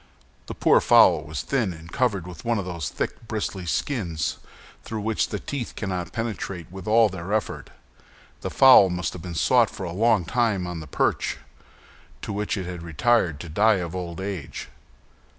The poor fowl was thin, and covered with one of those thick, bristly skins through which the teeth cannot penetrate with all their efforts. The fowl must have been sought for a long time on the perch, to which it had retired to die of old age.